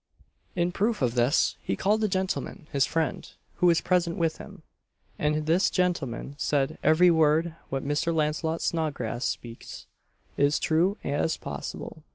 In proof of this, he called a gentleman, his friend, who was present with him; and this gentleman said, "every word, what Mr. Launcelot Snodgrass speaks, is true as possible."